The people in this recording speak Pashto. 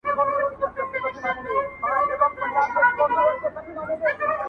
زه به درځم چي نه سپوږمۍ وي نه غمازي سترګي!.